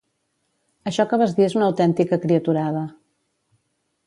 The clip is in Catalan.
Això que vas dir és una autèntica criaturada